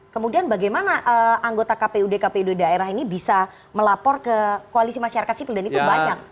kemudian bagaimana anggota kpu di kpu di daerah ini bisa melapor ke koalisi masyarakat situ dan itu banyak